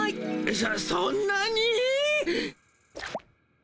そそんなに？